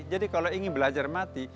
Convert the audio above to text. jadi kalau ingin belajar mati